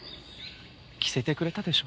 着せてくれたでしょ？